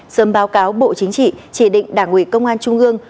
sớm báo cáo bộ chính trị chỉ định đảng ủy công an trung ương